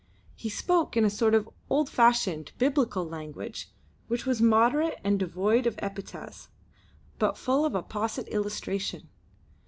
He spoke in a sort of old fashioned, biblical language which was moderate and devoid of epithets, but full of apposite illustration.